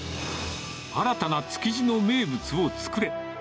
新たな築地の名物を作れ。